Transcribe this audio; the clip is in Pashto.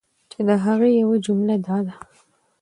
چی د هغی یوه جمله دا ده